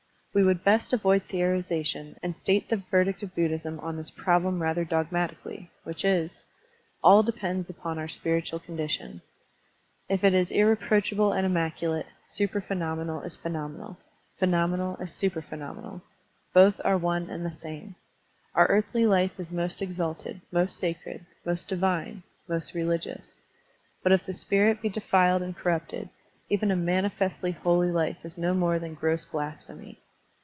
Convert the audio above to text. We would best avoid theorization and state the verdict of Buddhism on this problem rather dogmatically, which is: All depends upon our spiritual condition. If it is irreproachable and immaculate, supra phe nomenal is phenomenal, phenomenal is supra phenomenal. Both are one and the same. Our earthly life is most exalted, most sacred, most divine, most religious. But if the spirit be defiled and corrupted, even a manifestly holy life is no more than gross blasphemy.